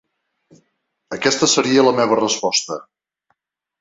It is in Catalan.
Aquesta seria la meva resposta.